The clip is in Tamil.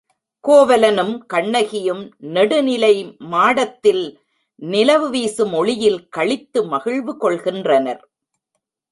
கோவலனும் கண்ணகியும் நெடுநிலை மாடத்தில் நிலவு வீசும் ஒளியில் களித்து மகிழ்வு கொள்கின்றனர்.